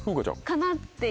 かな？って。